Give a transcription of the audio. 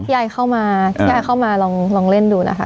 พี่ไอเข้ามาพี่ไอเข้ามาลองลองเล่นดูนะคะ